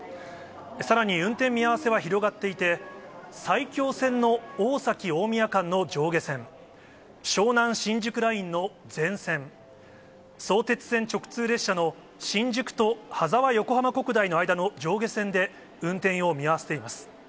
さらに運転見合わせは広がっていて、埼京線の大崎・大宮間の上下線、湘南新宿ラインの全線、相鉄線直通列車の新宿とはざわ横浜国大の上下線の運転を見合わせています。